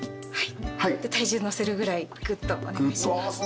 はい体重乗せるぐらいグッとお願いします。